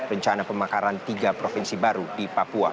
rencana pemekaran tiga provinsi baru di papua